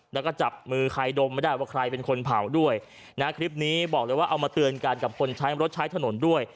แล้วก็จับมือใครดมไม่ได้ว่าใครเป็นคนเผาด้วยนะคลิปนี้บอกเลยว่าเอามาเตือนกันกับคนใช้รถใช้ถนนด้วย